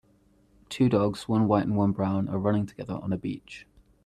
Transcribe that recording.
Two dogs one white and one brown are running together on a beach.